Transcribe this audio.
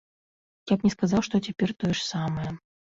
Я б не сказаў, што цяпер тое ж самае.